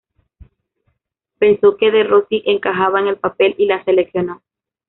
Pensó que De Rossi encajaba en el papel y la seleccionó.